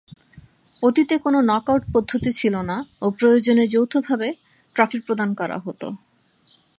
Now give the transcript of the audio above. অতীতে কোন নক-আউট পদ্ধতি ছিল না ও প্রয়োজনে যৌথভাবে ট্রফি প্রদান করা হতো।